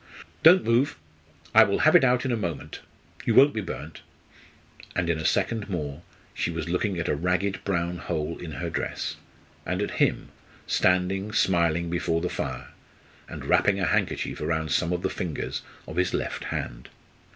"Don't move; I will have it out in a moment. You won't be burnt." And in a second more she was looking at a ragged brown hole in her dress; and at him, standing, smiling, before the fire, and wrapping a handkerchief round some of the fingers of his left hand.